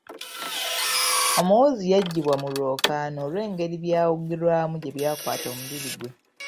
Omuwuzi yagibwa mu lwokaano olw'engeri by'awugirwamu gye byakwata omubiri ggwe.